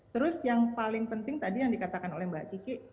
terus yang paling penting tadi yang dikatakan oleh mbak kiki